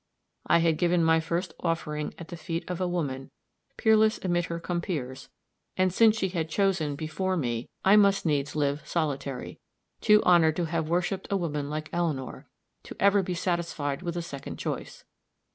I had given my first offering at the feet of a woman, peerless amid her compeers, and since she had chosen before me, I must needs live solitary, too honored by having worshiped a woman like Eleanor, to ever be satisfied with a second choice.